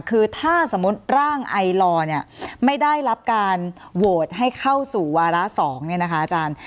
คือถ้าสมมุติร่างไอลอร์เนี่ยไม่ได้รับการโหวตให้เข้าสู่วาระ๒เนี่ยนะคะอาจารย์